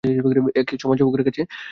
একে সমাজসেবকের কাছে নিয়ে চলুন।